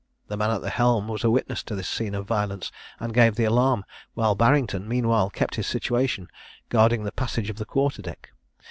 The man at the helm was a witness to this scene of violence, and gave the alarm, while Barrington meanwhile kept his situation, guarding the passage of the quarter deck.